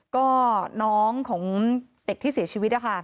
ก็น้องของเด็กที่เสียชีวิตนะคะ